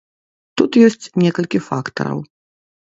Тут ёсць некалькі фактараў.